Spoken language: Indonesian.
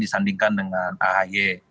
disandingkan dengan ahy